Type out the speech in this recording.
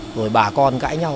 rồi bà con cãi nhau